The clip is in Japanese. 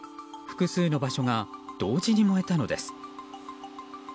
複数の場所が同時に燃えたのです。